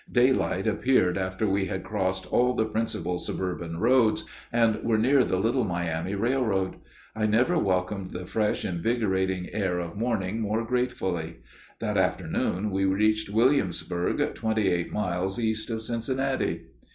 Daylight appeared after we had crossed all of the principal suburban roads, and were near the Little Miami Railroad. I never welcomed the fresh, invigorating air of morning more gratefully. That afternoon we reached Williamsburg, twenty eight miles east of Cincinnati.